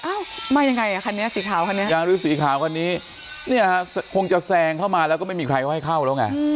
ยังไงอ่ะคันนี้สีขาวกันนี้คงจะแซงเข้ามาแล้วก็ไม่มีใครให้เข้าแล้วไง